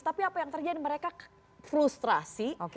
tapi apa yang terjadi mereka frustrasi